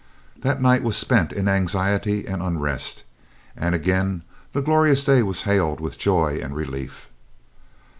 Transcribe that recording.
That night was spent in anxiety and unrest, and again the glorious day was hailed with joy and relief.